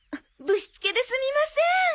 ぶしつけですみません。